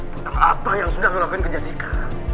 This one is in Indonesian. tentang apa yang sudah lu lakuin ke jessica